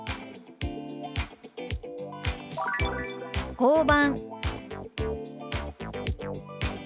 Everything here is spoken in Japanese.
「交番」。